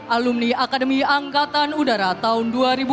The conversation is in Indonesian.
alumni akademi angkatan udara tahun dua ribu dua puluh